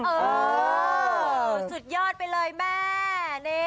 เออสุดยอดไปเลยแม่